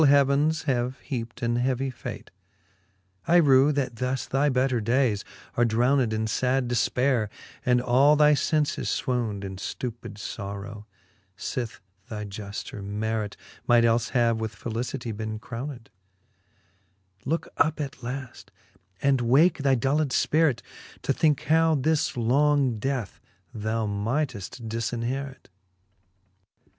heavens have heapt an heavy fate : I rew, that thus thy better dayes are drowned In lad defpaire, and all thy fenies fwowned In ftupid forow, fith thy jufter merit Might elie have with felicitie bene crowned : Looke up at laft, and wake thy dulled fpirit, To thinke how this long death thou mighteft difinherit.